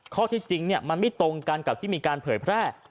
ข้อที่จริงมันไม่ตรงกันกับที่มีการเผยแพร่